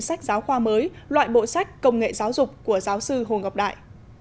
sách giáo khoa mới loại bộ sách công nghệ giáo dục của giáo sư hồ ngọc đại